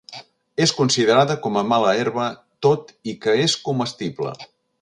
És considerada com a mala herba tot i que és comestible.